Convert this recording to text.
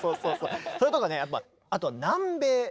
それとかねやっぱあとは南米。